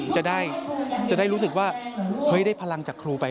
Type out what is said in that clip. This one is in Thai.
จะได้รู้สึกว่าเฮ้ยได้พลังจากครูไป